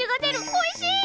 おいしい！